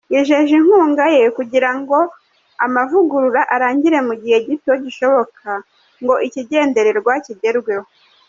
Yijeje inkunga ye kugira ngo amavugurura arangire mu gihe gito gishoboka ngo ikigendererwa kigerweho.